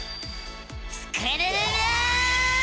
スクるるる！